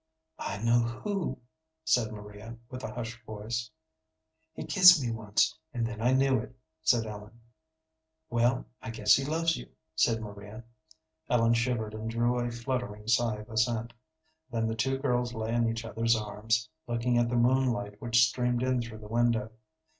"I know who," said Maria, with a hushed voice. "He kissed me once, and then I knew it," said Ellen. "Well, I guess he loves you," said Maria. Ellen shivered and drew a fluttering sigh of assent. Then the two girls lay in each other's arms, looking at the moonlight which streamed in through the window.